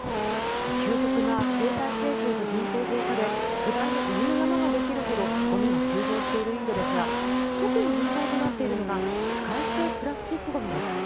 急速な経済成長と人口増加で巨大なゴミの山ができるほどゴミが急増しているインドですが特に問題となっているのが使い捨てプラスチックゴミです。